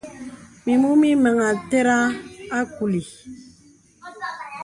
Mimù mì məìtæràŋ a kùli.